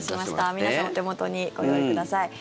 皆さんお手元にご用意ください。